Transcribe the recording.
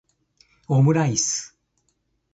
omuraisu